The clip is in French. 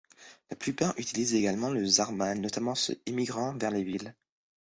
La plupart utilisent également le zarma, notamment ceux émigrant vers les villes.